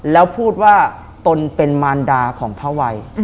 แล้วพูดว่าตนเป็นมารดาของพระวัย